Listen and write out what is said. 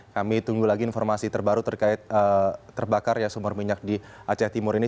kami tunggu lagi informasi terbaru terkait terbakar sumur minyak di aceh timur ini